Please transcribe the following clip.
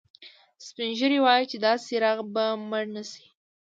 سپین ږیری وایي چې دا څراغ به مړ نه شي